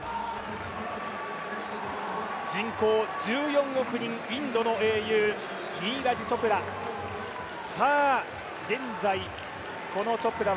人口１４億人、インドの英雄、ニーラジ・チョプラ。